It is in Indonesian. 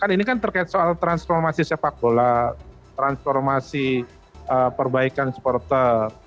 kan ini kan terkait soal transformasi sepak bola transformasi perbaikan supporter